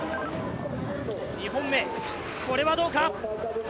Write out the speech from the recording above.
２本目これはどうか？